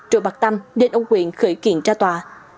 rồi bạc tâm nên ông quyện khởi kiện ra tòa